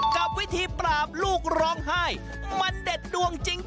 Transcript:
กับวิธีปราบลูกร้องไห้มันเด็ดดวงจริง